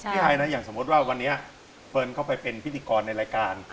ไอนะอย่างสมมุติว่าวันนี้เฟิร์นเข้าไปเป็นพิธีกรในรายการ